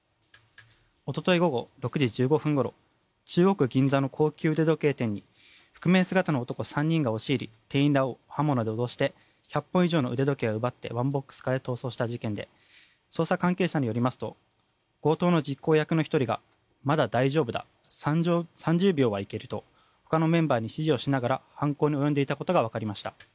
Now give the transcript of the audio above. おととい午後６時１５分ごろ中央区銀座の高級腕時計店に覆面姿の男３人が押し入り店員らを脅して１００本以上の腕時計を奪ってワンボックスカーで逃走した事件で捜査関係者によりますと強盗の実行役の１人がまだ大丈夫だ、３０秒はいけるとほかのメンバーに指示をしながら犯行に及んでいたことがわかりました。